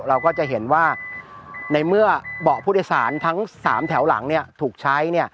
เราก็จะเห็นว่าในเมื่อเบาะผู้โดยสารทั้ง๓แถวหลังถูกใช้